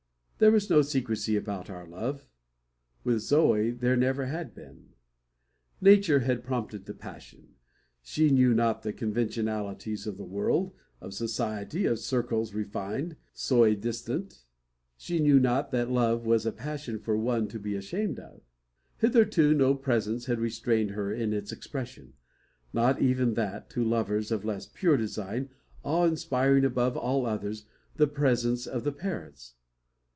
There was no secrecy about our love; with Zoe there never had been. Nature had prompted the passion. She knew not the conventionalities of the world, of society, of circles refined, soi disant. She knew not that love was a passion for one to be ashamed of. Hitherto no presence had restrained her in its expression not even that, to lovers of less pure design, awe inspiring above all others the presence of the parents.